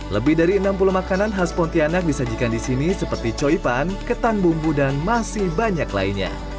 lebih dari enam puluh makanan khas pontianak disajikan di sini seperti coipan ketan bumbu dan masih banyak lainnya